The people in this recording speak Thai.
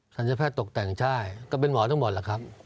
ศัลยแพทย์ตกแต่งใช่ก็เป็นหมอทั้งหมดล่ะครับ